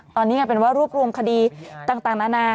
ตอนนี้กลายเป็นว่ารวบรวมคดีต่างนานา